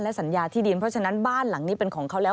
สัญญาที่ดินเพราะฉะนั้นบ้านหลังนี้เป็นของเขาแล้ว